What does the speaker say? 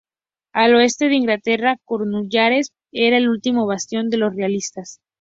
Al oeste de Inglaterra Cornualles era el último bastión de los realistas.